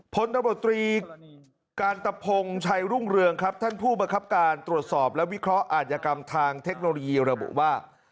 พลตำรวจตรีการตะพงชัยรุ่งเรืองครับท่านผู้บังคับการตรวจสอบและวิเคราะห์อาจยกรรมทางเทคโนโลยีระบุว่า